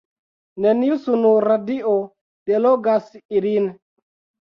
Neniu sunradio delogas ilin.